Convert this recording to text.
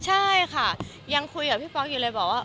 ใช่ค่ะยังคุยกับพี่ป๊อกอยู่เลยบอกว่า